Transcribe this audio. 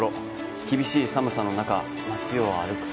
厳しい寒さの中、町を歩くと。